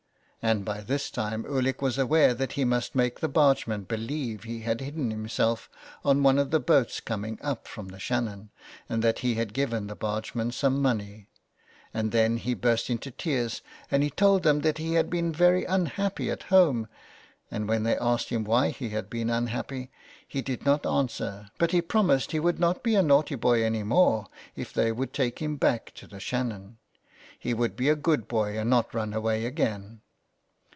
" and by this time Ulick was 288 so ON HE FARES. aware that he must make the bargemen believe he had hidden himself on one of the boats coming up from the Shannon, and that he had given the bargeman some money, and then he burst into tears and told them he had been very unhappy at home ; and when they asked him why he had been unhappy, he did not answer, but he promised he would not be a naughty boy any more if they would take him back to the Shannon. He would be a good boy and not run away again.